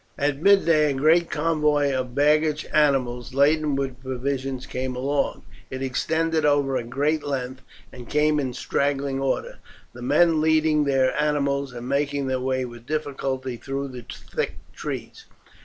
At midday a great convoy of baggage animals, laden with provisions, came along. It extended over a great length, and came in straggling order, the men leading their animals, and making their way with difficulty through the thick trees.